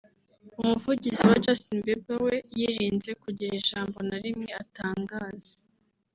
umuvugizi wa Justin Bieber we yirinze kugira ijambo na rimwe atangaza